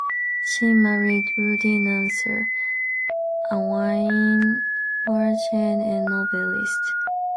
She married Rudi Nassauer, a wine merchant and novelist.